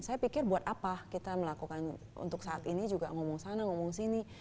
saya pikir buat apa kita melakukan untuk saat ini juga ngomong sana ngomong sini